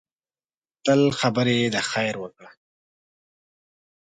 تل خبرې د خیر وکړه